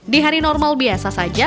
di hari normal biasa saja